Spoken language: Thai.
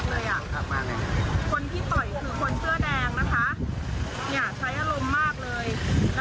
คนที่ต่อยคือคนเสื้อแดงนะคะเนี่ยใช้อารมณ์มากเลย